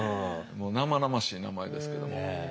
もう生々しい名前ですけども。